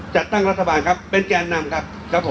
จัดตั้งรัฐบาลครับเป็นแก่อนำครับ